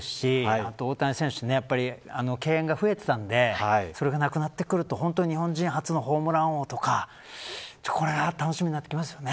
あと大谷選手、やっぱり敬遠が増えてたんでそれがなくなってくると日本人初のホームラン王とかこれは楽しみになってきますよね。